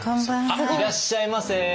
あっいらっしゃいませ！